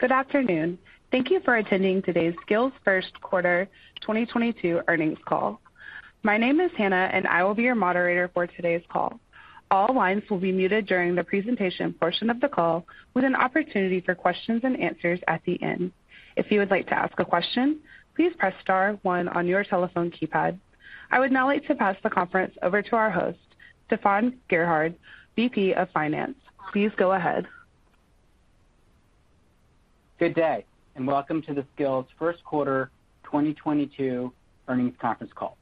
Good afternoon. Thank you for attending today's Skillz First Quarter 2022 Earnings Call. My name is Hannah, and I will be your moderator for today's call. All lines will be muted during the presentation portion of the call, with an opportunity for questions and answers at the end. If you would like to ask a question, please press star one on your telephone keypad. I would now like to pass the conference over to our host, Stefan Gerhard, VP of Finance. Please go ahead. Good day, and welcome to the Skillz First Quarter 2022 Earnings Conference Call.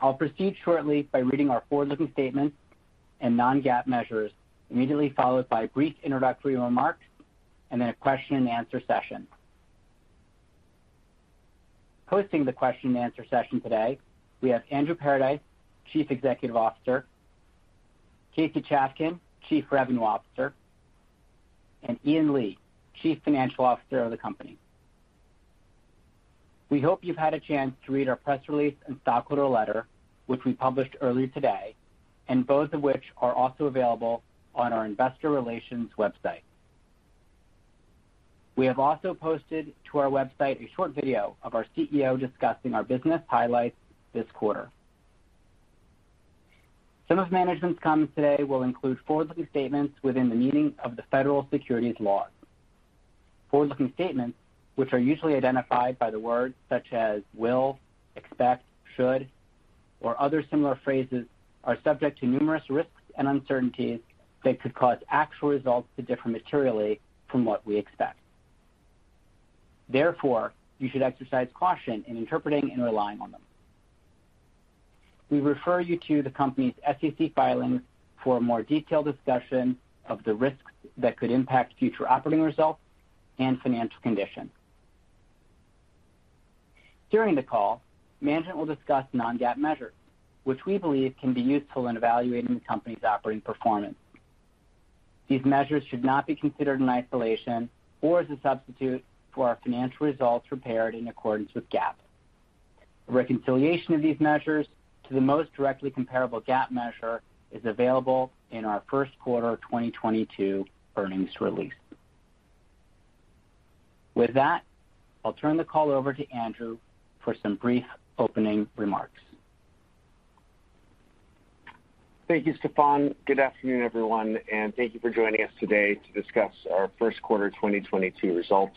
I'll proceed shortly by reading our forward-looking statements and non-GAAP measures, immediately followed by brief introductory remarks and then a question and answer session. Hosting the question and answer session today, we have Andrew Paradise, Chief Executive Officer, Casey Chafkin, Chief Revenue Officer, and Ian Lee, Chief Financial Officer of the company. We hope you've had a chance to read our press release and stockholder letter, which we published earlier today, and both of which are also available on our investor relations website. We have also posted to our website a short video of our CEO discussing our business highlights this quarter. Some of management's comments today will include forward-looking statements within the meaning of the federal securities laws. Forward-looking statements, which are usually identified by the words such as will, expect, should, or other similar phrases, are subject to numerous risks and uncertainties that could cause actual results to differ materially from what we expect. Therefore, you should exercise caution in interpreting and relying on them. We refer you to the company's SEC filings for a more detailed discussion of the risks that could impact future operating results and financial condition. During the call, management will discuss non-GAAP measures, which we believe can be useful in evaluating the company's operating performance. These measures should not be considered in isolation or as a substitute for our financial results prepared in accordance with GAAP. A reconciliation of these measures to the most directly comparable GAAP measure is available in our first quarter 2022 earnings release. With that, I'll turn the call over to Andrew for some brief opening remarks. Thank you, Stefan. Good afternoon, everyone, and thank you for joining us today to discuss our First Quarter 2022 Results.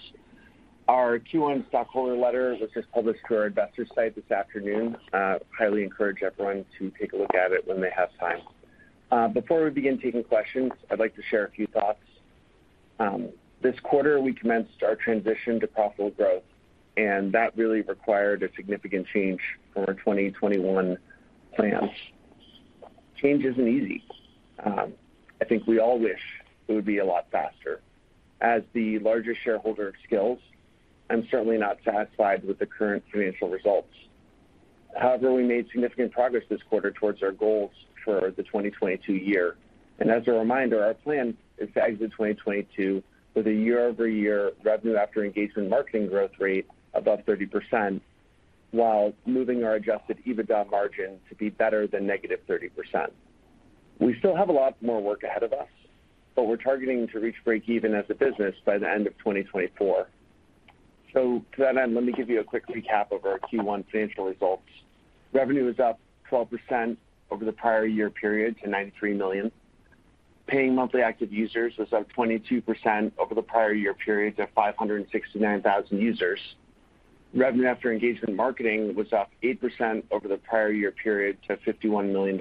Our Q1 stockholder letter was just published to our investor site this afternoon. I highly encourage everyone to take a look at it when they have time. Before we begin taking questions, I'd like to share a few thoughts. This quarter we commenced our transition to profitable growth, and that really required a significant change from our 2021 plans. Change isn't easy. I think we all wish it would be a lot faster. As the larger shareholder of Skillz, I'm certainly not satisfied with the current financial results. However, we made significant progress this quarter towards our goals for the 2022 year. As a reminder, our plan is to exit 2022 with a year-over-year Revenue After Engagement Marketing growth rate above 30% while moving our Adjusted EBITDA margin to be better than -30%. We still have a lot more work ahead of us, but we're targeting to reach breakeven as a business by the end of 2024. To that end, let me give you a quick recap of our Q1 financial results. Revenue was up 12% over the prior year period to $93 million. Paying monthly active users was up 22% over the prior year period to 569,000 users. Revenue After Engagement Marketing was up 8% over the prior year period to $51 million.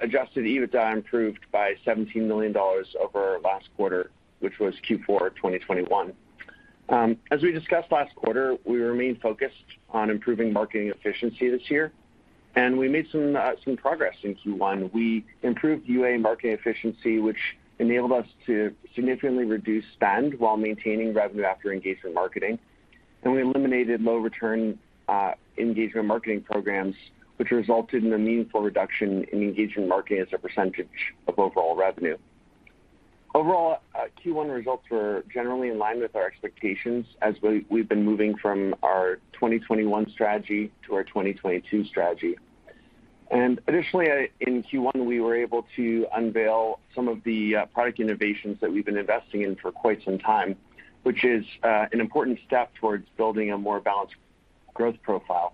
Adjusted EBITDA improved by $17 million over last quarter, which was Q4 2021. As we discussed last quarter, we remain focused on improving marketing efficiency this year, and we made some progress in Q1. We improved UA marketing efficiency, which enabled us to significantly reduce spend while maintaining revenue after engagement marketing. We eliminated low-return engagement marketing programs, which resulted in a meaningful reduction in engagement marketing as a percentage of overall revenue. Overall, Q1 results were generally in line with our expectations as we've been moving from our 2021 strategy to our 2022 strategy. Additionally, in Q1, we were able to unveil some of the product innovations that we've been investing in for quite some time, which is an important step towards building a more balanced growth profile.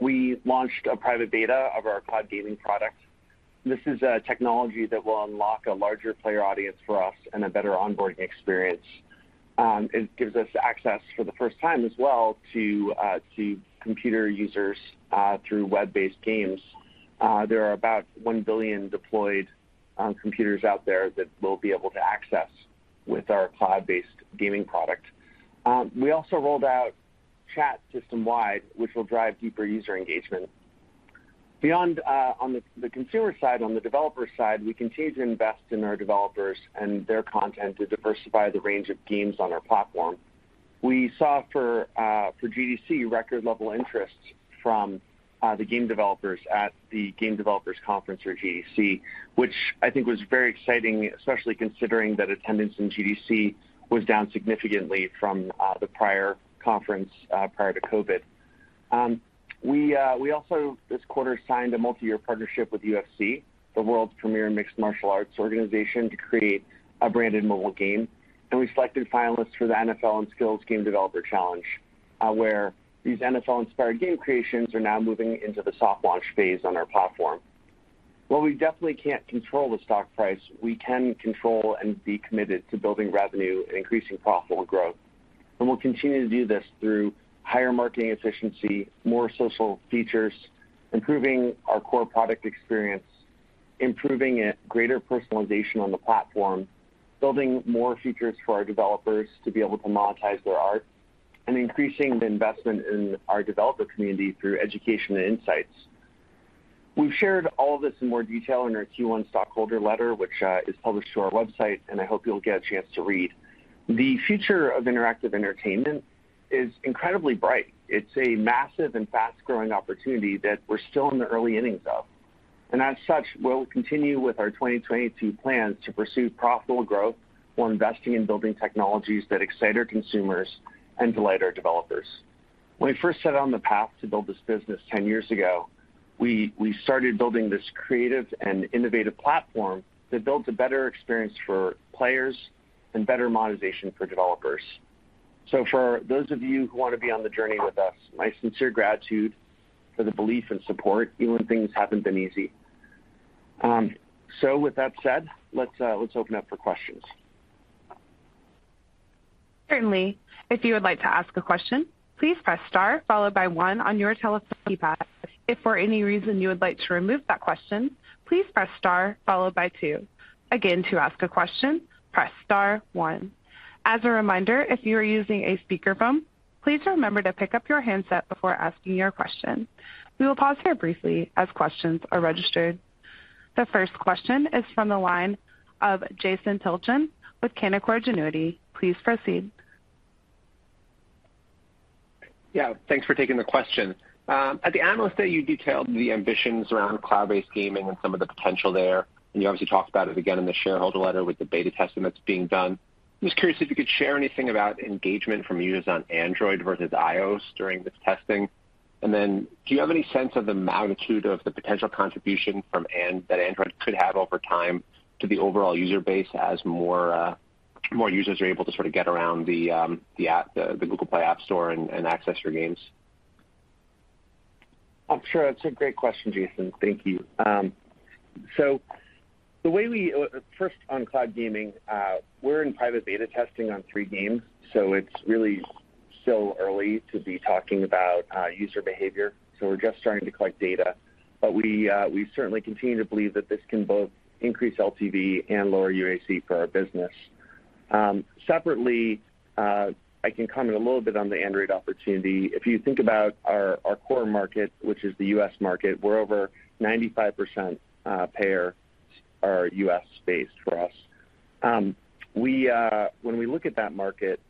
We launched a private beta of our cloud gaming product. This is a technology that will unlock a larger player audience for us and a better onboarding experience. It gives us access for the first time as well to computer users through web-based games. There are about 1 billion deployed computers out there that we'll be able to access with our cloud-based gaming product. We also rolled out chat system-wide, which will drive deeper user engagement. Beyond, on the consumer side, on the developer side, we continue to invest in our developers and their content to diversify the range of games on our platform. We saw, for GDC, record level interest from the game developers at the Game Developers Conference or GDC, which I think was very exciting, especially considering that attendance in GDC was down significantly from the prior conference prior to COVID. We also this quarter signed a multi-year partnership with UFC, the world's premier mixed martial arts organization, to create a branded mobile game. We selected finalists for the NFL and Skillz Game Developer Challenge, where these NFL-inspired game creations are now moving into the soft launch phase on our platform. While we definitely can't control the stock price, we can control and be committed to building revenue and increasing profitable growth. We'll continue to do this through higher marketing efficiency, more social features, improving our core product experience, improving a greater personalization on the platform, building more features for our developers to be able to monetize their art, and increasing the investment in our developer community through education and insights. We've shared all of this in more detail in our Q1 stockholder letter, which is published to our website, and I hope you'll get a chance to read. The future of interactive entertainment is incredibly bright. It's a massive and fast-growing opportunity that we're still in the early innings of. As such, we'll continue with our 2022 plans to pursue profitable growth while investing in building technologies that excite our consumers and delight our developers. When we first set out on the path to build this business ten years ago, we started building this creative and innovative platform that builds a better experience for players and better monetization for developers. For those of you who want to be on the journey with us, my sincere gratitude for the belief and support, even when things haven't been easy. With that said, let's open up for questions. Certainly. If you would like to ask a question, please press star followed by one on your telephone keypad. If for any reason you would like to remove that question, please press star followed by two. Again, to ask a question, press star one. As a reminder, if you are using a speakerphone, please remember to pick up your handset before asking your question. We will pause here briefly as questions are registered. The first question is from the line of Jason Tilchen with Canaccord Genuity. Please proceed. Yeah, thanks for taking the question. At the analyst day, you detailed the ambitions around cloud-based gaming and some of the potential there, and you obviously talked about it again in the shareholder letter with the beta testing that's being done. I'm just curious if you could share anything about engagement from users on Android versus iOS during this testing. Then do you have any sense of the magnitude of the potential contribution from that Android could have over time to the overall user base as more users are able to sort of get around the app, the Google Play App Store and access your games? I'm sure that's a great question, Jason. Thank you. First, on cloud gaming, we're in private beta testing on three games, so it's really still early to be talking about user behavior. We're just starting to collect data. We certainly continue to believe that this can both increase LTV and lower UAC for our business. Separately, I can comment a little bit on the Android opportunity. If you think about our core market, which is the U.S. market, we're over 95% payers are U.S.-based for us. When we look at that market,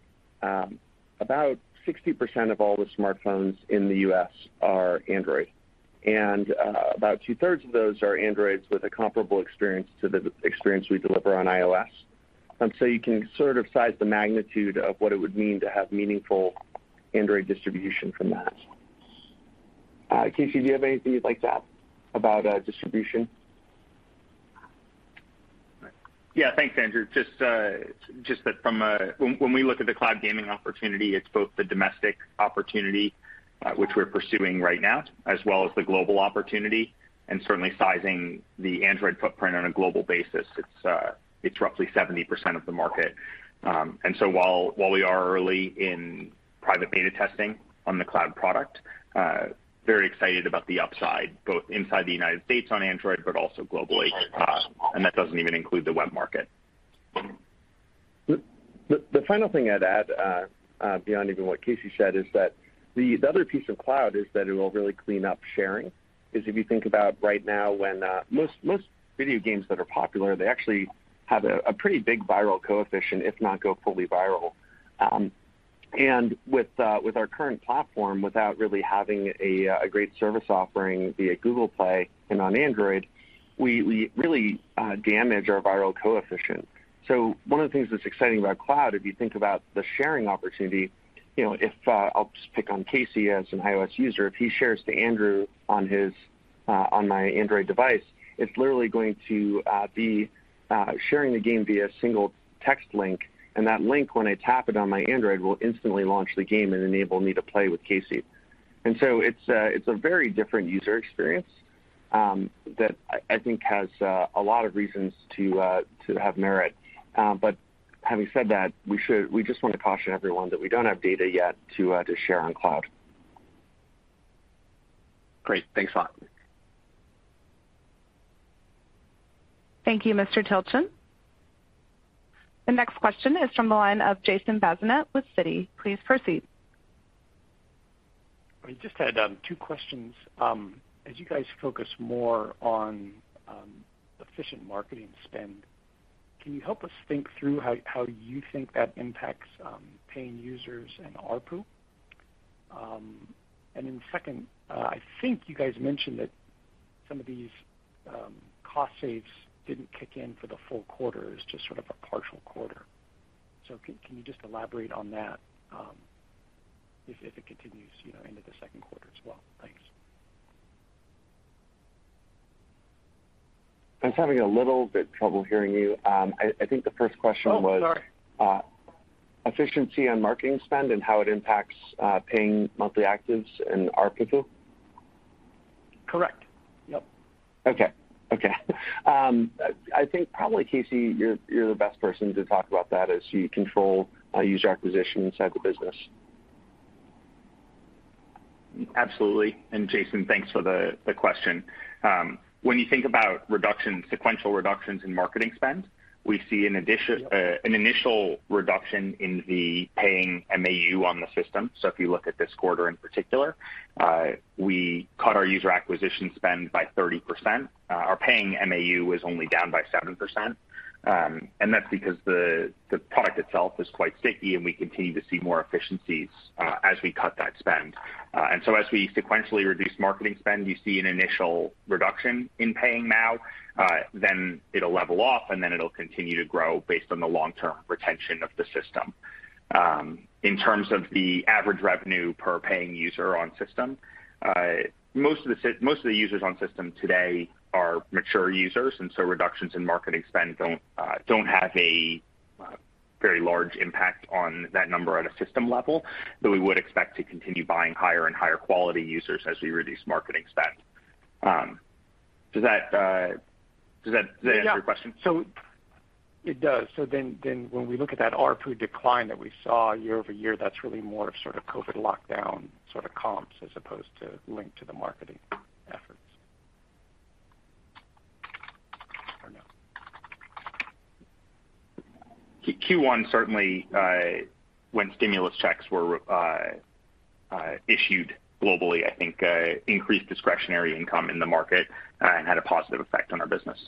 about 60% of all the smartphones in the U.S. are Android, and about two-thirds of those are Androids with a comparable experience to the experience we deliver on iOS. You can sort of size the magnitude of what it would mean to have meaningful Android distribution from that. Casey, do you have anything you'd like to add about distribution? Yeah, thanks, Andrew. Just that when we look at the cloud gaming opportunity, it's both the domestic opportunity, which we're pursuing right now, as well as the global opportunity. Certainly sizing the Android footprint on a global basis, it's roughly 70% of the market. While we are early in private beta testing on the cloud product, very excited about the upside, both inside the United States on Android but also globally, and that doesn't even include the web market. The final thing I'd add, beyond even what Casey said, is that the other piece of cloud is that it will really clean up sharing. If you think about right now when most video games that are popular, they actually have a pretty big viral coefficient, if not go fully viral. With our current platform, without really having a great service offering via Google Play and on Android, we really damage our viral coefficient. One of the things that's exciting about cloud, if you think about the sharing opportunity, you know, if I'll just pick on Casey as an iOS user. If he shares to Andrew on his, on my Android device, it's literally going to be sharing the game via a single text link, and that link, when I tap it on my Android, will instantly launch the game and enable me to play with Casey. It's a very different user experience that I think has a lot of reasons to have merit. But having said that, we just want to caution everyone that we don't have data yet to share on cloud. Great. Thanks a lot. Thank you, Mr. Tilchen. The next question is from the line of Jason Bazinet with Citi. Please proceed. I just had two questions. As you guys focus more on efficient marketing spend, can you help us think through how you think that impacts paying users and ARPU? Second, I think you guys mentioned that some of these cost savings didn't kick in for the full quarter. It's just sort of a partial quarter. Can you just elaborate on that, if it continues, you know, into the second quarter as well? Thanks. I was having a little bit trouble hearing you. I think the first question was- Oh, sorry. Efficiency on marketing spend and how it impacts paying monthly actives and ARPU? Correct. Yep. Okay. I think probably, Casey, you're the best person to talk about that as you control user acquisition inside the business. Absolutely. Jason, thanks for the question. When you think about sequential reductions in marketing spend, we see an initial reduction in the Paying MAU on the system. If you look at this quarter in particular, we cut our user acquisition spend by 30%. Our Paying MAU is only down by 7%. That's because the product itself is quite sticky, and we continue to see more efficiencies as we cut that spend. As we sequentially reduce marketing spend, you see an initial reduction in Paying MAU. Then it'll level off, and then it'll continue to grow based on the long-term retention of the system. In terms of the average revenue per paying user on system, most of the users on system today are mature users, and so reductions in marketing spend don't have a very large impact on that number at a system level, though we would expect to continue buying higher and higher quality users as we reduce marketing spend. Does that- Yeah. Does that answer your question? It does. Then when we look at that ARPU decline that we saw year-over-year, that's really more of sort of COVID lockdown sort of comps as opposed to linked to the marketing efforts. Or no. Q1 certainly, when stimulus checks were issued globally, I think increased discretionary income in the market and had a positive effect on our business.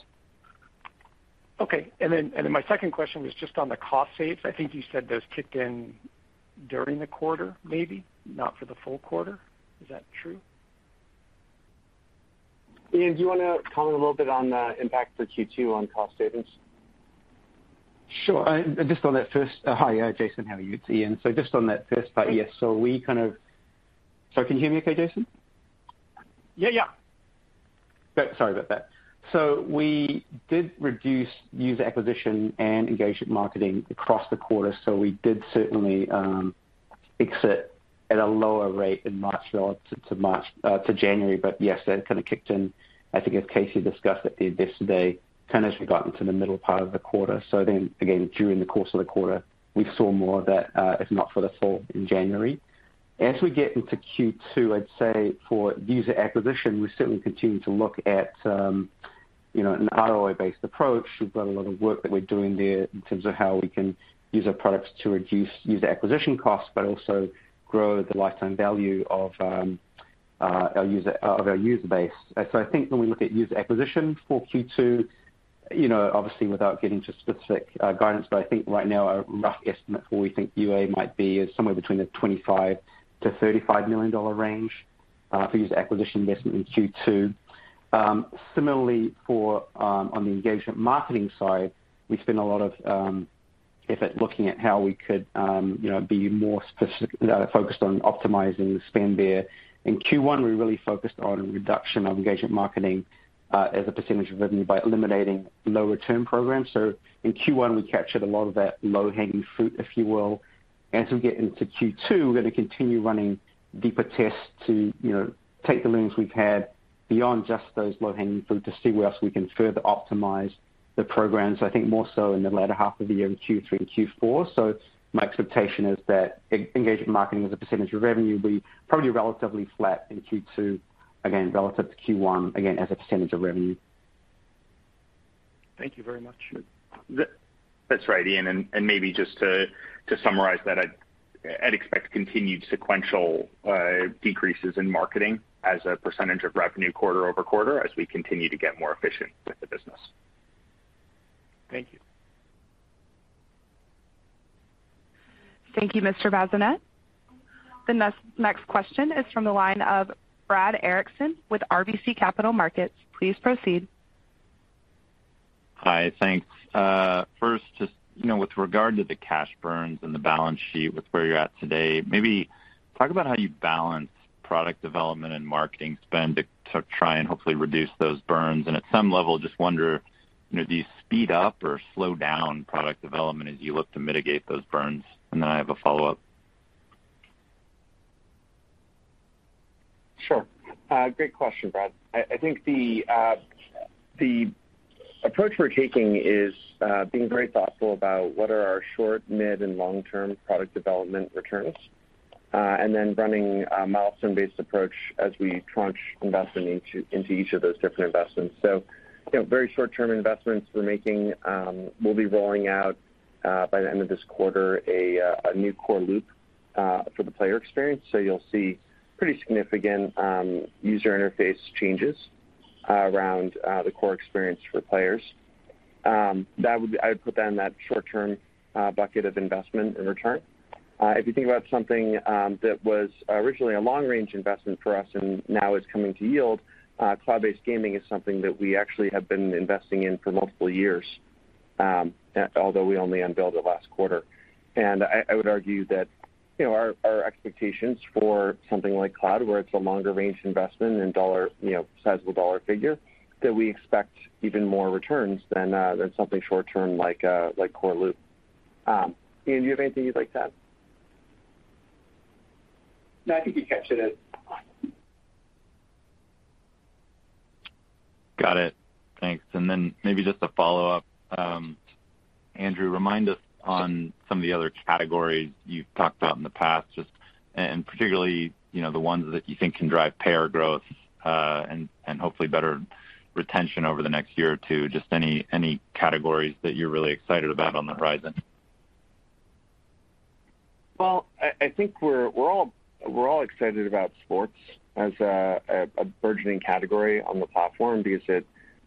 Okay. My second question was just on the cost savings. I think you said those kicked in during the quarter, maybe not for the full quarter. Is that true? Ian, do you wanna comment a little bit on the impact for Q2 on cost savings? Sure. Hi. Yeah, Jason, how are you? It's Ian. Just on that first part, yes. Can you hear me okay, Jason? Yeah, yeah. Good. Sorry about that. We did reduce user acquisition and engagement marketing across the quarter, so we did certainly exit at a lower rate in March relative to January. Yes, that kind of kicked in, I think as Casey discussed at the Investor Day, kind of as we got into the middle part of the quarter. Again, during the course of the quarter, we saw more of that if not for the fall in January. As we get into Q2, I'd say for user acquisition, we certainly continue to look at, you know, an ROI-based approach. We've got a lot of work that we're doing there in terms of how we can use our products to reduce user acquisition costs, but also grow the lifetime value of our user base. I think when we look at user acquisition for Q2, obviously without getting into specific guidance, but I think right now a rough estimate for we think UA might be is somewhere between the $25 million-$35 million range for user acquisition investment in Q2. Similarly for on the engagement marketing side, we spend a lot of effort looking at how we could be more specific, focused on optimizing spend there. In Q1, we really focused on reduction of engagement marketing as a percentage of revenue by eliminating lower term programs. In Q1, we captured a lot of that low-hanging fruit, if you will. As we get into Q2, we're gonna continue running deeper tests to, you know, take the learnings we've had beyond just those low-hanging fruit to see where else we can further optimize the programs, I think more so in the latter half of the year in Q3 and Q4. My expectation is that engagement marketing as a percentage of revenue will be probably relatively flat in Q2, again, relative to Q1, again, as a percentage of revenue. Thank you very much. That's right, Ian. Maybe just to summarize that, I'd expect continued sequential decreases in marketing as a percentage of revenue quarter-over-quarter as we continue to get more efficient with the business. Thank you. Thank you, Mr. Bazinet. The next question is from the line of Brad Erickson with RBC Capital Markets. Please proceed. Hi. Thanks. First, just, you know, with regard to the cash burns and the balance sheet with where you're at today, maybe talk about how you balance product development and marketing spend to try and hopefully reduce those burns. At some level, just wonder, you know, do you speed up or slow down product development as you look to mitigate those burns? Then I have a follow up. Sure. Great question, Brad. I think the approach we're taking is being very thoughtful about what are our short, mid, and long-term product development returns, and then running a milestone-based approach as we tranche investment into each of those different investments. Very short-term investments we're making, we'll be rolling out by the end of this quarter a new core loop for the player experience. You'll see pretty significant user interface changes around the core experience for players. I would put that in that short-term bucket of investment and return. If you think about something that was originally a long-range investment for us and now is coming to yield, cloud-based gaming is something that we actually have been investing in for multiple years, although we only unveiled it last quarter. I would argue that, you know, our expectations for something like cloud, where it's a longer range investment in dollar, you know, sizable dollar figure that we expect even more returns than than something short-term like Core Loop. Ian, do you have anything you'd like to add? No, I think you captured it. Got it. Thanks. Maybe just a follow up. Andrew, remind us on some of the other categories you've talked about in the past, just and particularly, you know, the ones that you think can drive payer growth, and hopefully better retention over the next year or two. Just any categories that you're really excited about on the horizon. I think we're all excited about sports as a burgeoning category on the platform because it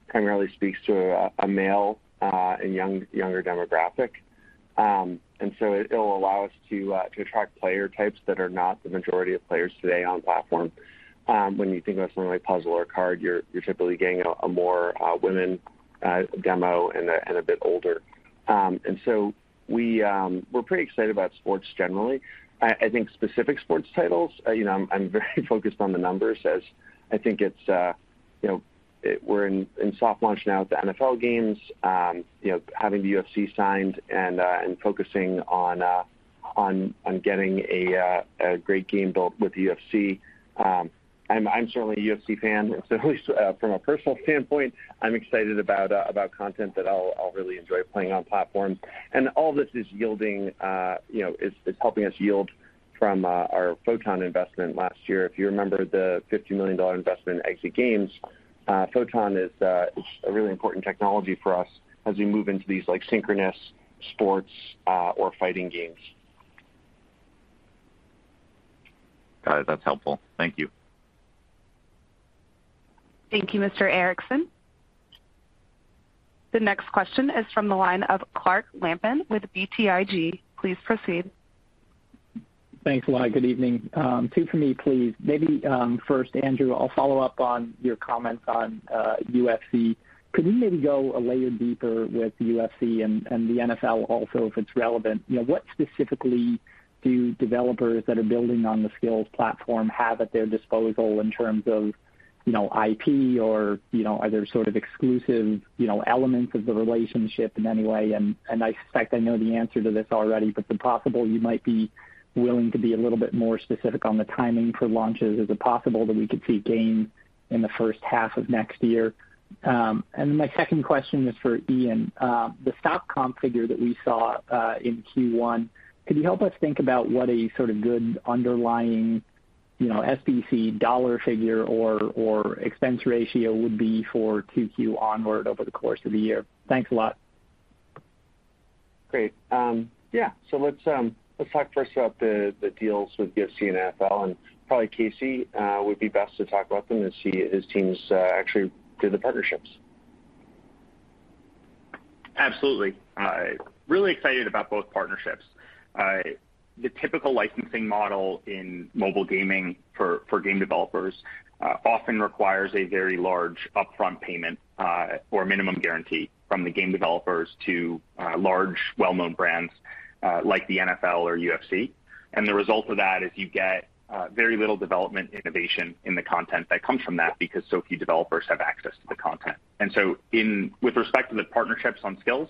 primarily speaks to a male and younger demographic. It'll allow us to attract player types that are not the majority of players today on platform. When you think about something like puzzle or card, you're typically getting a more women demo and a bit older. We're pretty excited about sports generally. I think specific sports titles, you know, I'm very focused on the numbers as I think it's, you know, we're in soft launch now with the NFL games, you know, having the UFC signed and focusing on getting a great game built with UFC. I'm certainly a UFC fan, so at least from a personal standpoint, I'm excited about content that I'll really enjoy playing on platform. All this is yielding, you know, helping us yield from our Photon investment last year. If you remember the $50 million investment in Exit Games, Photon is a really important technology for us as we move into these like synchronous sports or fighting games. Got it. That's helpful. Thank you. Thank you, Mr. Erickson. The next question is from the line of Clark Lampen with BTIG. Please proceed. Thanks a lot. Good evening. Two for me, please. Maybe first, Andrew, I'll follow up on your comments on UFC. Could you maybe go a layer deeper with the UFC and the NFL also, if it's relevant? You know, what specifically do developers that are building on the Skillz platform have at their disposal in terms of, you know, IP or, you know, are there sort of exclusive, you know, elements of the relationship in any way? And I suspect I know the answer to this already, but if possible, you might be willing to be a little bit more specific on the timing for launches. Is it possible that we could see games in the first half of next year? And then my second question is for Ian. The stock comp figure that we saw in Q1, could you help us think about what a sort of good underlying, you know, SBC dollar figure or expense ratio would be for 2Q onward over the course of the year? Thanks a lot. Great. Yeah. Let's talk first about the deals with UFC and NFL, and probably Casey would be best to talk about them as he, his teams actually did the partnerships. Absolutely. Really excited about both partnerships. The typical licensing model in mobile gaming for game developers often requires a very large upfront payment or minimum guarantee from the game developers to large well-known brands like the NFL or UFC. The result of that is you get very little development innovation in the content that comes from that because so few developers have access to the content. With respect to the partnerships on Skillz,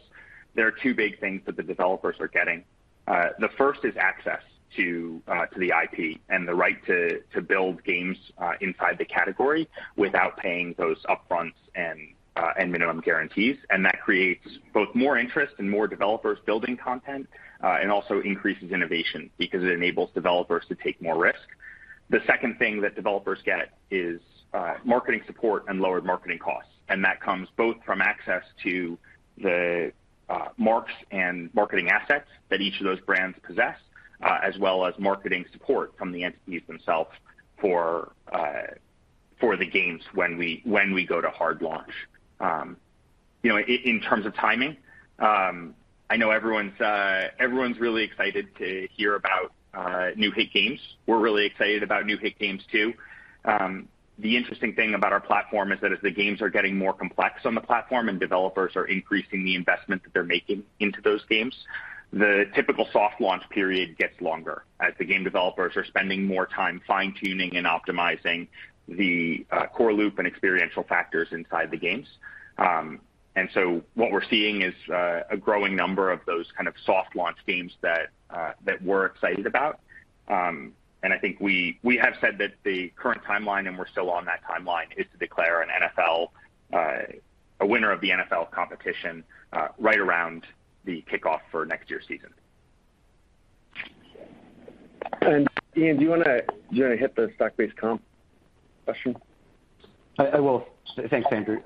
there are two big things that the developers are getting. The first is access to the IP and the right to build games inside the category without paying those upfront and minimum guarantees. That creates both more interest and more developers building content and also increases innovation because it enables developers to take more risk. The second thing that developers get is marketing support and lower marketing costs. That comes both from access to the marques and marketing assets that each of those brands possess, as well as marketing support from the entities themselves for the games when we go to hard launch. You know, in terms of timing, I know everyone's really excited to hear about new hit games. We're really excited about new hit games too. The interesting thing about our platform is that as the games are getting more complex on the platform and developers are increasing the investment that they're making into those games, the typical soft launch period gets longer as the game developers are spending more time fine-tuning and optimizing the core loop and experiential factors inside the games. What we're seeing is a growing number of those kind of soft launch games that we're excited about. I think we have said that the current timeline, and we're still on that timeline, is to declare a winner of the NFL competition right around the kickoff for next year's season. Ian, do you wanna hit the stock-based comp question? I will. Thanks, Andrew.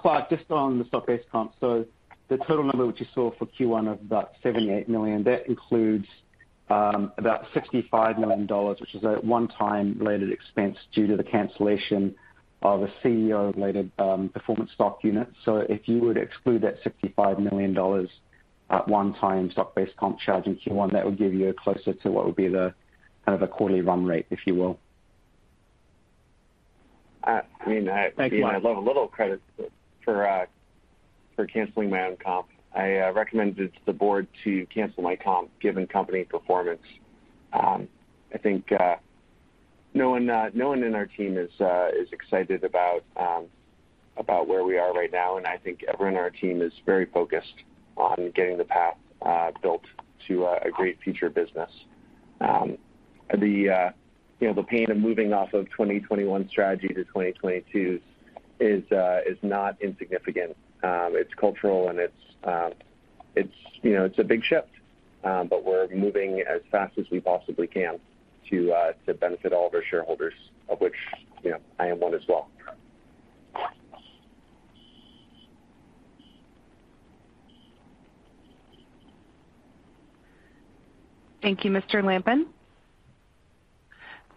Clark, just on the stock-based comp. The total number which you saw for Q1 of about $78 million, that includes, about $65 million, which is a one-time related expense due to the cancellation of a CEO related performance stock unit. If you would exclude that $65 million one-time stock-based comp charge in Q1, that would give you closer to what would be the, kind of a quarterly run rate, if you will. I mean. Thanks, Ian. I'd love a little credit for canceling my own comp. I recommended to the board to cancel my comp given company performance. I think no one in our team is excited about where we are right now, and I think everyone in our team is very focused on getting the path built to a great future business. You know, the pain of moving off of 2021 strategy to 2022 is not insignificant. It's cultural, and it's, you know, it's a big shift. We're moving as fast as we possibly can to benefit all of our shareholders, of which, you know, I am one as well. Thank you, Mr. Lampen.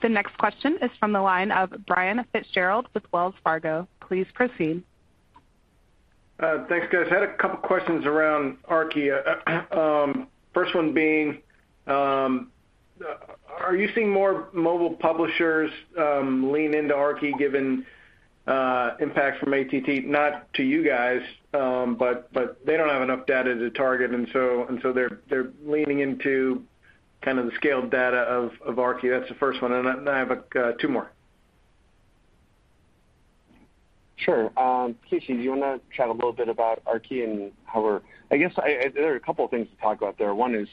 The next question is from the line of Brian Fitzgerald with Wells Fargo. Please proceed. Thanks, guys. Had a couple questions around Aarki. First one being, are you seeing more mobile publishers lean into Aarki given impact from ATT, not to you guys, but they don't have enough data to target, and so they're leaning into kind of the scaled data of Aarki. That's the first one. I have two more. Sure. Casey, do you wanna chat a little bit about Aarki. I guess there are a couple of things to talk about there. One is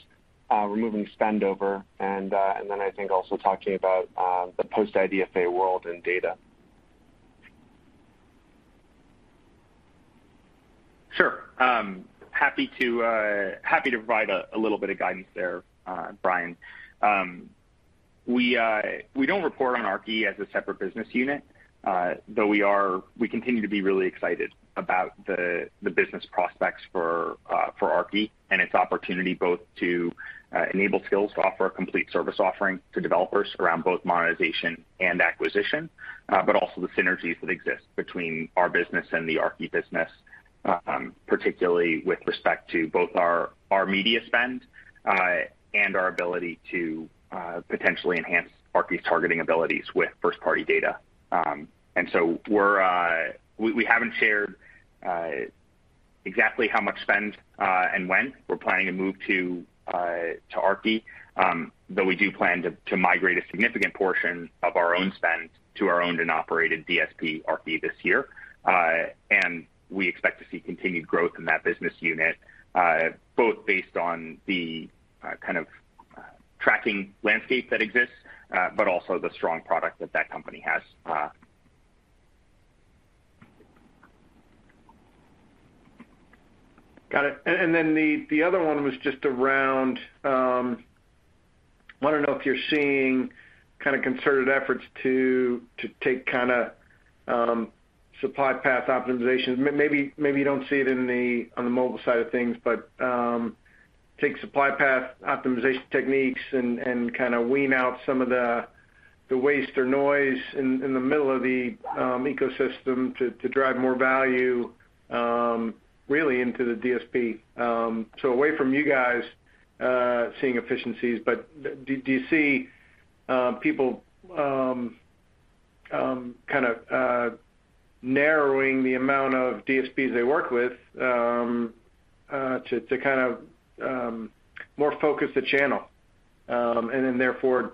removing spend over and then I think also talking about the post-IDFA world and data. Sure. Happy to provide a little bit of guidance there, Brian. We don't report on Aarki as a separate business unit, though we continue to be really excited about the business prospects for Aarki and its opportunity both to enable Skillz to offer a complete service offering to developers around both monetization and acquisition, but also the synergies that exist between our business and the Aarki business, particularly with respect to both our media spend and our ability to potentially enhance Aarki's targeting abilities with first-party data. We haven't shared exactly how much spend and when we're planning to move to Aarki, though we do plan to migrate a significant portion of our own spend to our owned and operated DSP, Aarki, this year. We expect to see continued growth in that business unit, both based on the kind of tracking landscape that exists, but also the strong product that that company has. Got it. The other one was just around want to know if you're seeing kind of concerted efforts to take kind of Supply Path Optimization. Maybe you don't see it in the on the mobile side of things, but take Supply Path Optimization techniques and kind of wean out some of the the waste or noise in the middle of the ecosystem to drive more value really into the DSP. So away from you guys seeing efficiencies, but do you see people kind of narrowing the amount of DSPs they work with to kind of more focus the channel and then therefore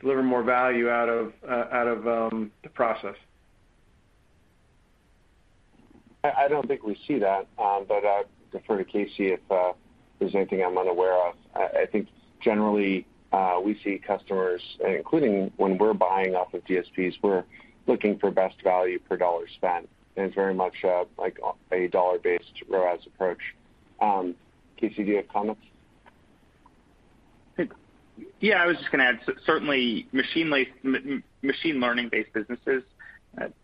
deliver more value out of the process? I don't think we see that, but I'd defer to Casey if there's anything I'm unaware of. I think generally, we see customers, including when we're buying off of DSPs, we're looking for best value per dollar spent, and it's very much like a dollar-based ROAS approach. Casey, do you have comments? Yeah, I was just gonna add, certainly machine learning-based businesses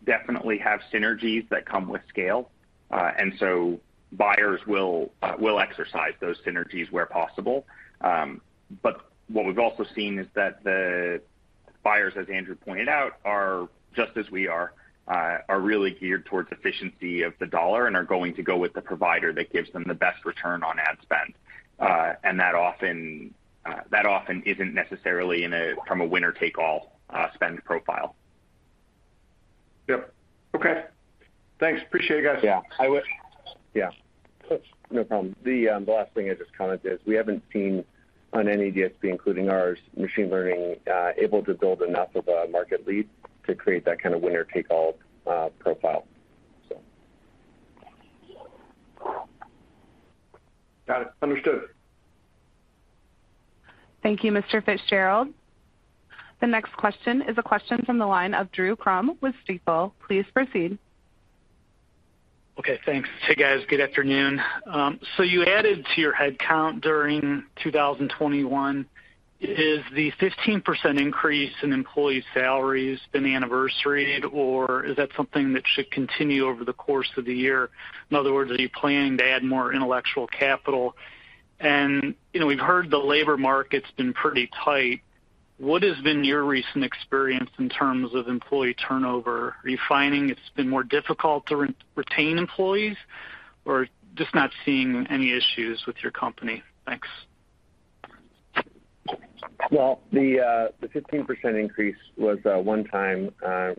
definitely have synergies that come with scale, and so buyers will exercise those synergies where possible. But what we've also seen is that the buyers, as Andrew pointed out, are just as we are really geared towards efficiency of the dollar and are going to go with the provider that gives them the best return on ad spend. That often isn't necessarily from a winner-take-all spend profile. Yep. Okay. Thanks. Appreciate it, guys. Yeah. I wish. Yeah. No problem. The last thing I'd just comment is we haven't seen on any DSP, including ours, machine learning able to build enough of a market lead to create that kind of winner-take-all profile. So. Got it. Understood. Thank you, Mr. Fitzgerald. The next question is a question from the line of Drew Crum with Stifel. Please proceed. Okay, thanks. Hey, guys. Good afternoon. You added to your headcount during 2021. Is the 15% increase in employee salaries been anniversaried, or is that something that should continue over the course of the year? In other words, are you planning to add more intellectual capital? You know, we've heard the labor market's been pretty tight. What has been your recent experience in terms of employee turnover? Are you finding it's been more difficult to retain employees, or just not seeing any issues with your company? Thanks. Well, the 15% increase was a one-time,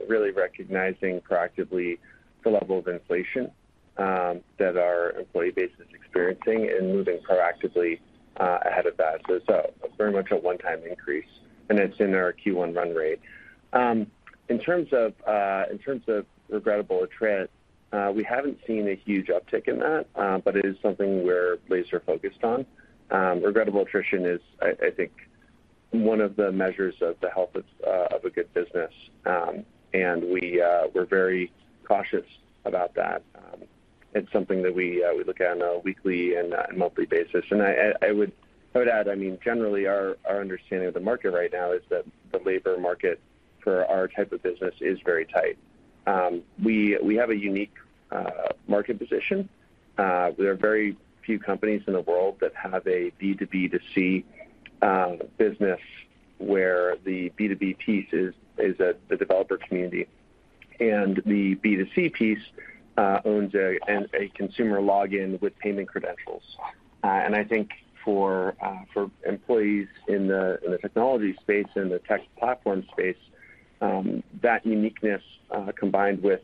really recognizing proactively the level of inflation that our employee base is experiencing and moving proactively ahead of that. It's very much a one-time increase, and it's in our Q1 run rate. In terms of regrettable attrition, we haven't seen a huge uptick in that, but it is something we're laser focused on. Regrettable attrition is, I think one of the measures of the health of a good business. We're very cautious about that. It's something that we look at on a weekly and a monthly basis. I would note that, I mean, generally our understanding of the market right now is that the labor market for our type of business is very tight. We have a unique market position. There are very few companies in the world that have a B2B2C business where the B2B piece is the developer community, and the B2C piece owns a consumer login with payment credentials. I think for employees in the technology space and the tech platform space, that uniqueness combined with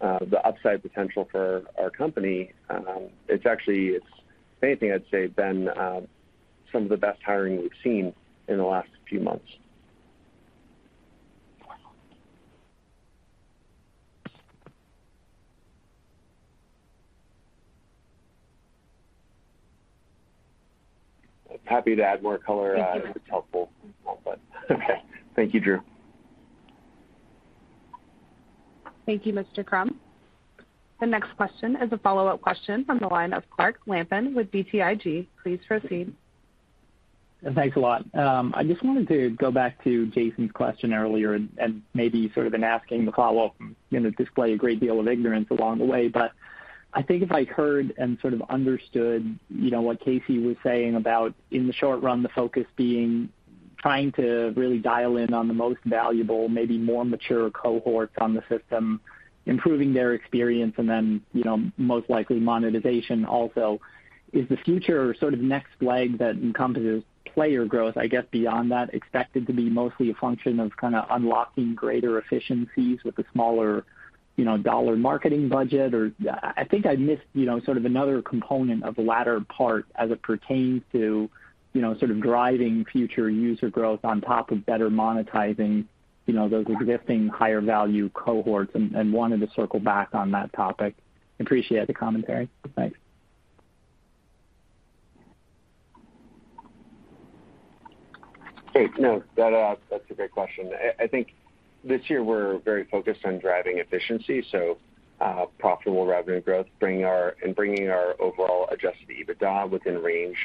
the upside potential for our company, it's actually, if anything I'd say, been some of the best hiring we've seen in the last few months. Happy to add more color. Thank you. If it's helpful. Thank you, Drew. Thank you, Mr. Crum. The next question is a follow up question from the line of Clark Lampen with BTIG. Please proceed. Thanks a lot. I just wanted to go back to Jason's question earlier and maybe sort of in asking the follow up, you know, display a great deal of ignorance along the way. I think if I heard and sort of understood, you know, what Casey was saying about in the short run, the focus being trying to really dial in on the most valuable, maybe more mature cohorts on the system, improving their experience and then, you know, most likely monetization also. Is the future sort of next leg that encompasses player growth, I guess beyond that, expected to be mostly a function of kinda unlocking greater efficiencies with a smaller, you know, dollar marketing budget? I think I missed, you know, sort of another component of the latter part as it pertains to, you know, sort of driving future user growth on top of better monetizing, you know, those existing higher value cohorts and wanted to circle back on that topic. Appreciate the commentary. Thanks. Great. No, that's a great question. I think this year we're very focused on driving efficiency, so profitable revenue growth, bringing our overall Adjusted EBITDA within range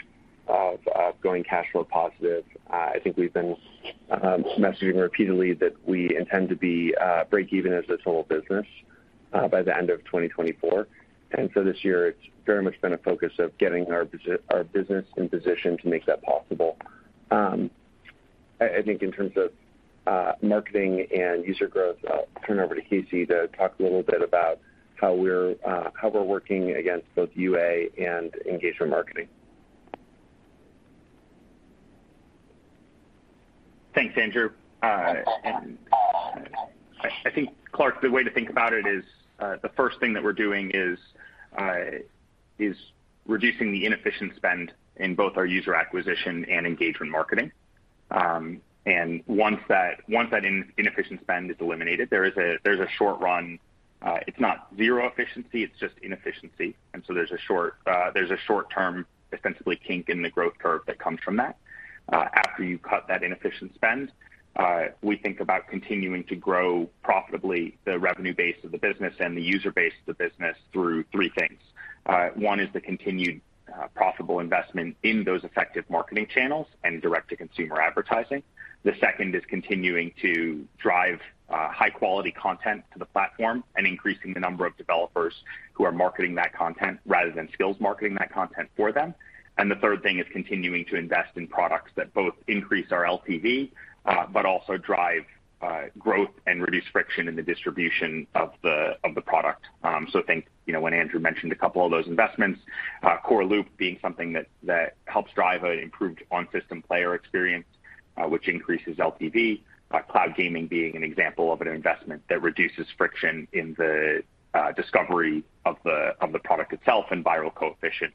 of going cash flow positive. I think we've been messaging repeatedly that we intend to be break even as this whole business by the end of 2024. This year it's very much been a focus of getting our business in position to make that possible. I think in terms of marketing and user growth, I'll turn over to Casey to talk a little bit about how we're working against both UA and engagement marketing. Thanks, Andrew. I think, Clark, the way to think about it is the first thing that we're doing is reducing the inefficient spend in both our user acquisition and engagement marketing. Once that inefficient spend is eliminated, there is a short run. It's not zero efficiency, it's just inefficiency. There's a short-term ostensibly kink in the growth curve that comes from that. After you cut that inefficient spend, we think about continuing to grow profitably the revenue base of the business and the user base of the business through three things. One is the continued profitable investment in those effective marketing channels and direct to consumer advertising. The second is continuing to drive high quality content to the platform and increasing the number of developers who are marketing that content rather than Skillz marketing that content for them. The third thing is continuing to invest in products that both increase our LTV but also drive growth and reduce friction in the distribution of the product. Think, you know, when Andrew mentioned a couple of those investments, Core Loop being something that helps drive an improved on-system player experience, which increases LTV. Cloud gaming being an example of an investment that reduces friction in the discovery of the product itself and viral coefficient,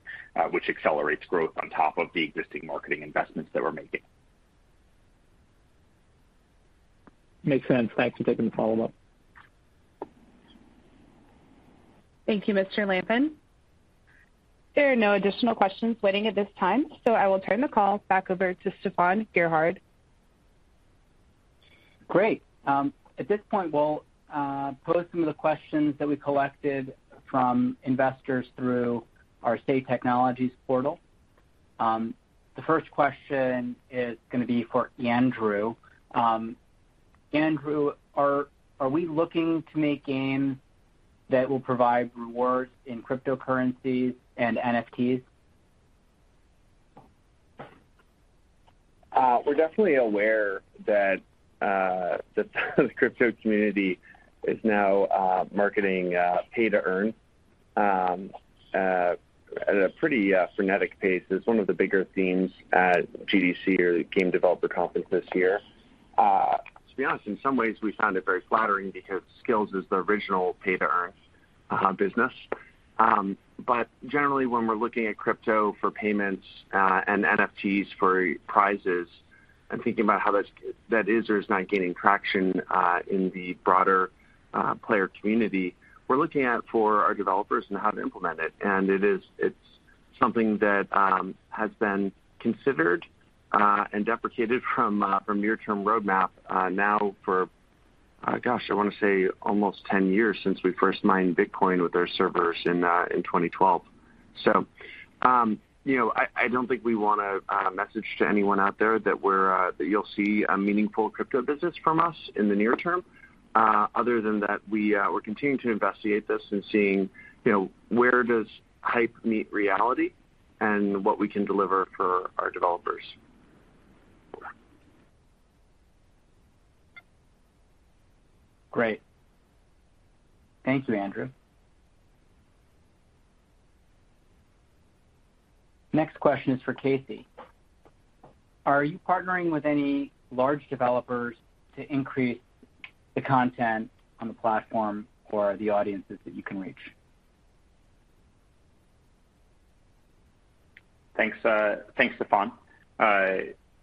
which accelerates growth on top of the existing marketing investments that we're making. Makes sense. Thanks for taking the follow up. Thank you, Mr. Lampen. There are no additional questions waiting at this time, so I will turn the call back over to Stefan Gerhard. Great. At this point, we'll pose some of the questions that we collected from investors through our Say Technologies portal. The first question is gonna be for Andrew. Andrew, are we looking to make games that will provide rewards in cryptocurrencies and NFTs? We're definitely aware that the crypto community is now marketing play-to-earn. At a pretty frenetic pace. It's one of the bigger themes at GDC or Game Developers Conference this year. To be honest, in some ways, we found it very flattering because Skillz is the original play-to-earn business. But generally, when we're looking at crypto for payments and NFTs for prizes and thinking about how that is or is not gaining traction in the broader player community, we're looking at for our developers and how to implement it. It's something that has been considered and deprecated from near-term roadmap now for, gosh, I wanna say almost 10 years since we first mined Bitcoin with our servers in 2012. You know, I don't think we want a message to anyone out there that you'll see a meaningful crypto business from us in the near term, other than that we're continuing to investigate this and seeing, you know, where does hype meet reality and what we can deliver for our developers. Great. Thank you, Andrew. Next question is for Casey. Are you partnering with any large developers to increase the content on the platform or the audiences that you can reach? Thanks, Stefan.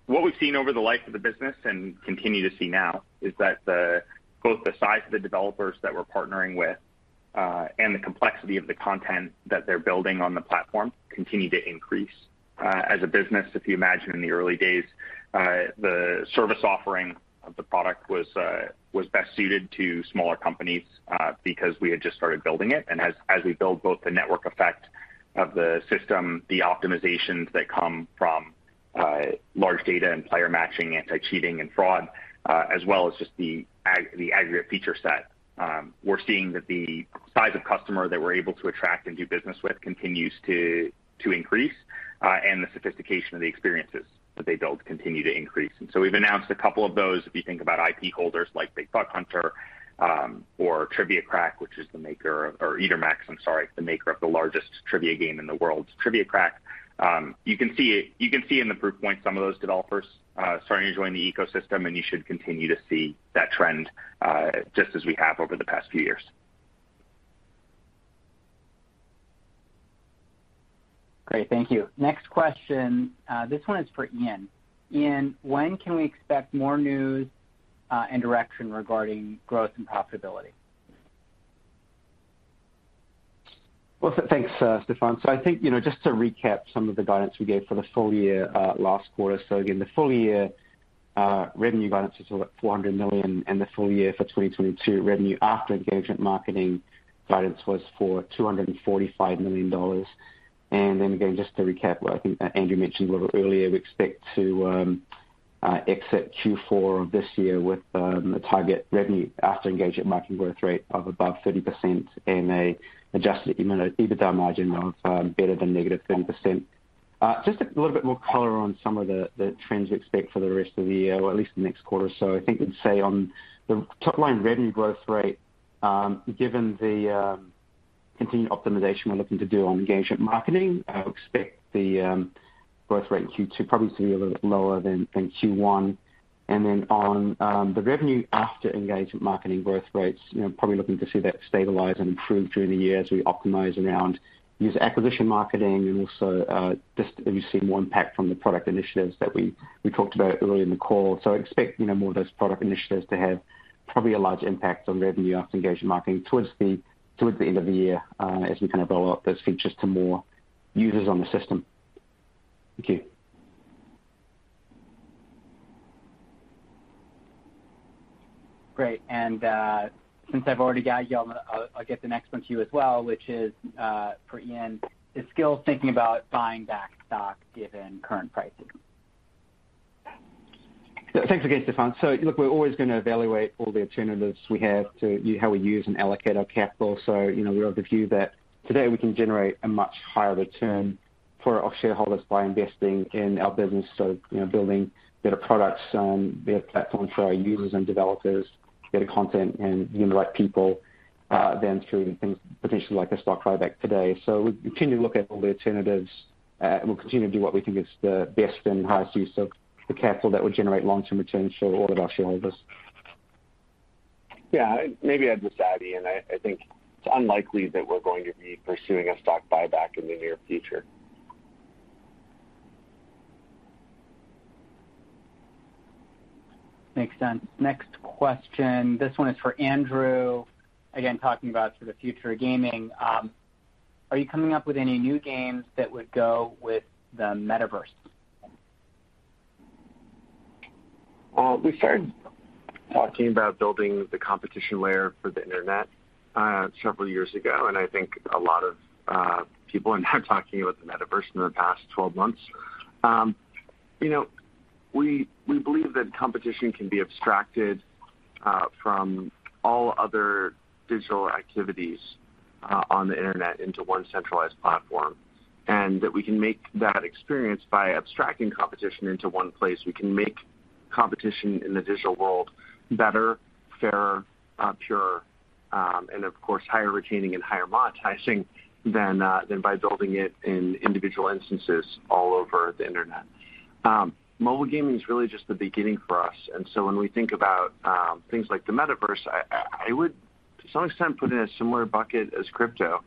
What we've seen over the life of the business and continue to see now is that both the size of the developers that we're partnering with and the complexity of the content that they're building on the platform continue to increase. As a business, if you imagine in the early days, the service offering of the product was best suited to smaller companies because we had just started building it. As we build both the network effect of the system, the optimizations that come from large data and player matching, anti-cheating and fraud, as well as just the aggregate feature set, we're seeing that the size of customer that we're able to attract and do business with continues to increase, and the sophistication of the experiences that they build continue to increase. We've announced a couple of those, if you think about IP holders like Big Buck Hunter or Etermax, I'm sorry, the maker of the largest trivia game in the world, Trivia Crack. You can see in the proof point some of those developers starting to join the ecosystem, and you should continue to see that trend just as we have over the past few years. Great. Thank you. Next question. This one is for Ian. Ian, when can we expect more news, and direction regarding growth and profitability? Thanks, Stefan. I think, you know, just to recap some of the guidance we gave for the full year last quarter. Again, the full year revenue guidance is $400 million, and the full year for 2022 revenue after engagement marketing guidance was for $245 million. Then again, just to recap what I think Andrew mentioned a little bit earlier, we expect to exit Q4 of this year with a target revenue after engagement marketing growth rate of above 30% and adjusted EBITDA margin of better than -10%. Just a little bit more color on some of the trends we expect for the rest of the year or at least the next quarter. I think I'd say on the top line revenue growth rate, given the continued optimization we're looking to do on engagement marketing, I would expect the growth rate in Q2 probably to be a little bit lower than Q1. Then on the Revenue After Engagement Marketing growth rates, you know, probably looking to see that stabilize and improve through the year as we optimize around user acquisition marketing and also just as you see more impact from the product initiatives that we talked about earlier in the call. Expect, you know, more of those product initiatives to have probably a large impact on Revenue After Engagement Marketing towards the end of the year as we kind of roll out those features to more users on the system. Thank you. Great. Since I've already got you, I'll get the next one to you as well, which is for Ian. Is Skillz thinking about buying back stock given current pricing? Thanks again, Stefan. Look, we're always gonna evaluate all the alternatives we have to how we use and allocate our capital. You know, we are of the view that today we can generate a much higher return for our shareholders by investing in our business. You know, building better products, better platforms for our users and developers, better content and the right people, than through things potentially like a stock buyback today. We continue to look at all the alternatives, and we'll continue to do what we think is the best and highest use of the capital that would generate long-term returns for all of our shareholders. Yeah. Maybe I'll just add, Ian, I think it's unlikely that we're going to be pursuing a stock buyback in the near future. Makes sense. Next question, this one is for Andrew. Again, talking about for the future of gaming, are you coming up with any new games that would go with the metaverse? Well, we started talking about building the competition layer for the internet several years ago, and I think a lot of people are now talking about the metaverse in the past 12 months. You know, we believe that competition can be abstracted from all other digital activities on the internet into one centralized platform, and that we can make that experience by abstracting competition into one place. We can make Competition in the digital world, better, fairer, pure, and of course, higher retaining and higher monetizing than by building it in individual instances all over the internet. Mobile gaming is really just the beginning for us. When we think about things like the Metaverse, I would to some extent put in a similar bucket as crypto.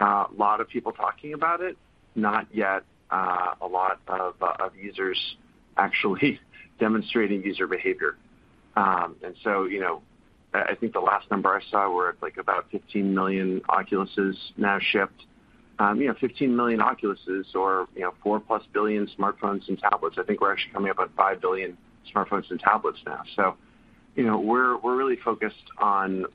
A lot of people talking about it, not yet a lot of users actually demonstrating user behavior. You know, I think the last number I saw were at, like, about 15 million Oculus now shipped. You know, 15 million Oculus or, you know, 4-plus billion smartphones and tablets. I think we're actually coming up on 5 billion smartphones and tablets now. You know, we're really focused on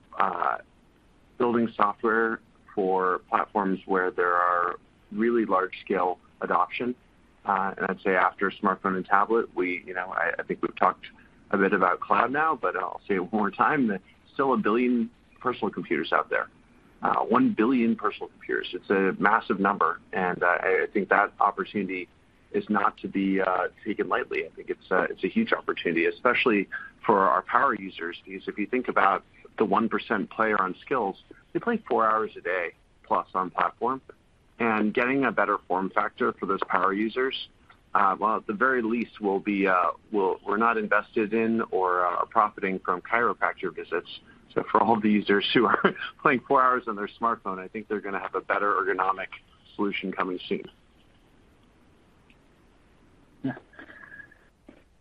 building software for platforms where there are really large scale adoption. I'd say after smartphone and tablet, we you know I think we've talked a bit about cloud now, but I'll say it one more time that still 1 billion personal computers out there. 1 billion personal computers. It's a massive number, and I think that opportunity is not to be taken lightly. I think it's a huge opportunity, especially for our power users. Because if you think about the 1% player on Skillz, they play 4 hours a day plus on platform. Getting a better form factor for those power users, well, at the very least, we're not invested in or are profiting from chiropractor visits. For all the users who are playing four hours on their smartphone, I think they're gonna have a better ergonomic solution coming soon. Yeah.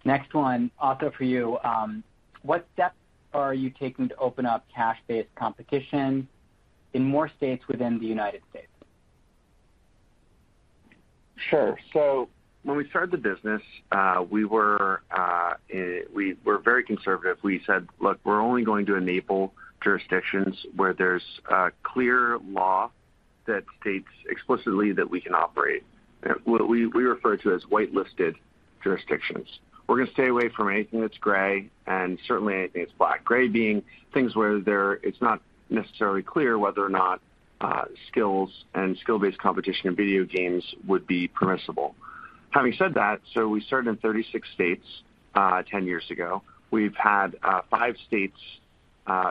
Next one, also for you. What steps are you taking to open up cash-based competition in more states within the United States? Sure. When we started the business, we were very conservative. We said, "Look, we're only going to enable jurisdictions where there's a clear law that states explicitly that we can operate." What we refer to as whitelisted jurisdictions. We're gonna stay away from anything that's gray and certainly anything that's black. Gray being things where it's not necessarily clear whether or not Skillz and skill-based competition and video games would be permissible. Having said that, we started in 36 states 10 years ago. We've had 5 states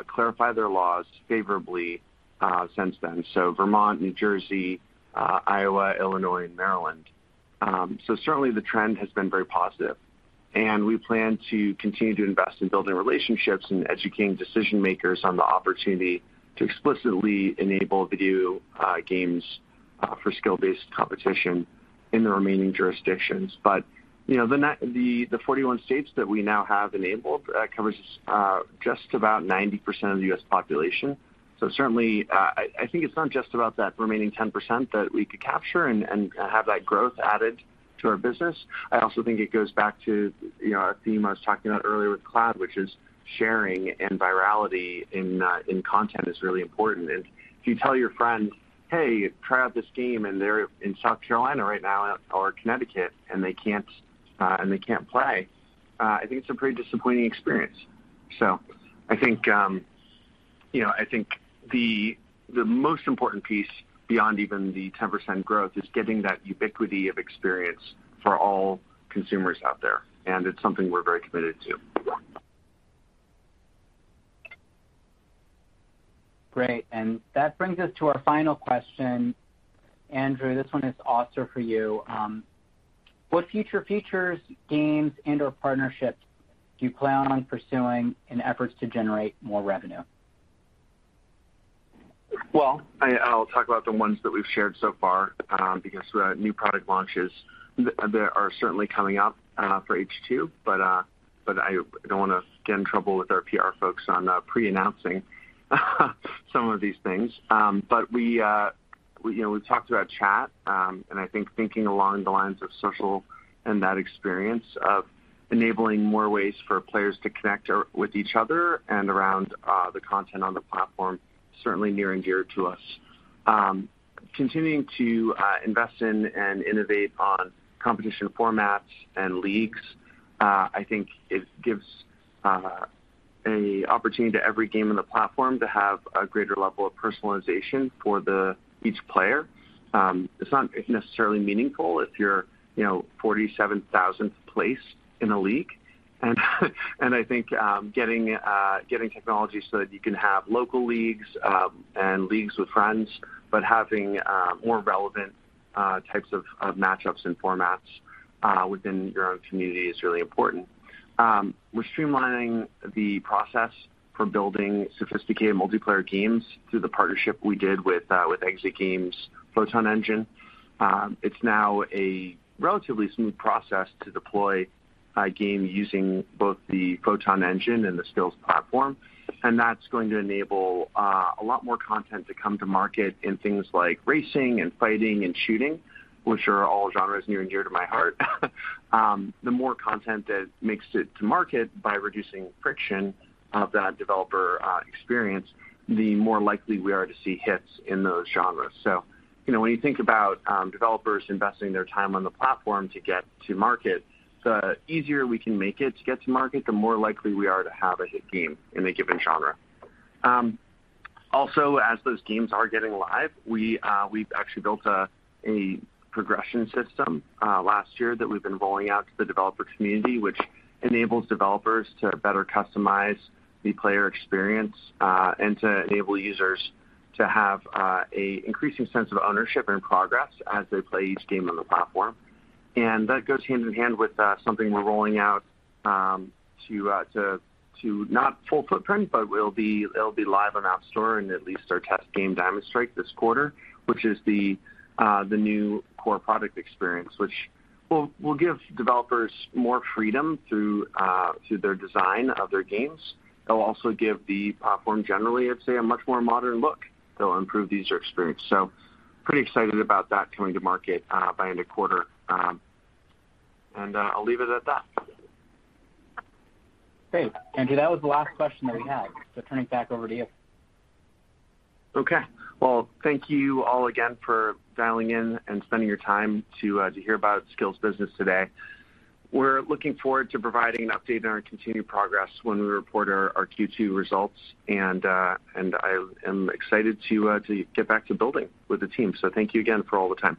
clarify their laws favorably since then. Vermont, New Jersey, Iowa, Illinois and Maryland. Certainly the trend has been very positive, and we plan to continue to invest in building relationships and educating decision makers on the opportunity to explicitly enable video games for skill-based competition in the remaining jurisdictions. You know, the 41 states that we now have enabled covers just about 90% of the U.S. population. I think it's not just about that remaining 10% that we could capture and have that growth added to our business. I also think it goes back to a theme I was talking about earlier with cloud, which is sharing and virality in content is really important. If you tell your friend, "Hey, try out this game," and they're in South Carolina right now or Connecticut, and they can't play, I think it's a pretty disappointing experience. I think, you know, I think the most important piece beyond even the 10% growth is getting that ubiquity of experience for all consumers out there, and it's something we're very committed to. Great. That brings us to our final question. Andrew, this one is also for you. What future features, games and/or partnerships do you plan on pursuing in efforts to generate more revenue? Well, I'll talk about the ones that we've shared so far, because the new product launches that are certainly coming up for H2, but I don't wanna get in trouble with our PR folks on pre-announcing some of these things. We, you know, we've talked about chat, and I think thinking along the lines of social and that experience of enabling more ways for players to connect or with each other and around the content on the platform, certainly near and dear to us. Continuing to invest in and innovate on competition formats and leagues, I think it gives an opportunity to every game on the platform to have a greater level of personalization for each player. It's not necessarily meaningful if you're, you know, 47,000 place in a league. I think getting technology so that you can have local leagues and leagues with friends, but having more relevant types of match-ups and formats within your own community is really important. We're streamlining the process for building sophisticated multiplayer games through the partnership we did with Exit Games' Photon Engine. It's now a relatively smooth process to deploy a game using both the Photon Engine and the Skillz platform, and that's going to enable a lot more content to come to market in things like racing and fighting and shooting, which are all genres near and dear to my heart. The more content that makes it to market by reducing friction of that developer experience, the more likely we are to see hits in those genres. You know, when you think about developers investing their time on the platform to get to market, the easier we can make it to get to market, the more likely we are to have a hit game in a given genre. Also, as those games are getting live, we've actually built a progression system last year that we've been rolling out to the developer community, which enables developers to better customize the player experience, and to enable users to have a increasing sense of ownership and progress as they play each game on the platform. That goes hand in hand with something we're rolling out to not full footprint, but it'll be live on App Store and at least our test game Diamond Strike this quarter, which is the new core product experience, which will give developers more freedom through their design of their games. It'll also give the platform generally, I'd say, a much more modern look that'll improve user experience. Pretty excited about that coming to market by end of quarter. I'll leave it at that. Great. Andrew, that was the last question that we had. Turning it back over to you. Okay. Well, thank you all again for dialing in and spending your time to hear about Skillz business today. We're looking forward to providing an update on our continued progress when we report our Q2 results. I am excited to get back to building with the team. Thank you again for all the time.